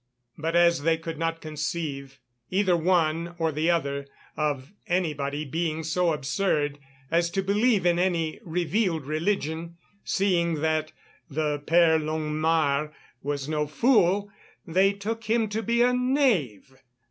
But as they could not conceive, either one or the other, of anybody being so absurd as to believe in any revealed religion, seeing that the Père Longuemare was no fool, they took him to be a knave.